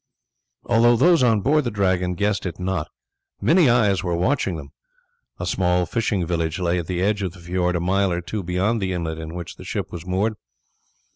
Although those on board the Dragon guessed it not, many eyes were watching them. A small fishing village lay at the edge of the fiord a mile or two beyond the inlet in which the ship was moored.